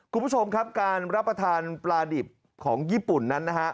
คุณผู้ชมครับการรับประทานปลาดิบของญี่ปุ่นนั้นนะฮะ